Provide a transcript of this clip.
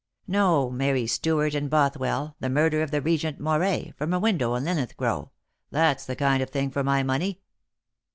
No, Mary Stuart and Bothwell, the murder of the Regent Moray, from a window in Linlithgow, — that's the kind of thing for my money."